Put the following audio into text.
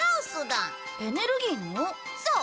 そう！